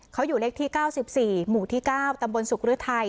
เขาอยู่เลขที่เก้าสิบสี่หมู่ที่เก้าตำบนสุขฤทัย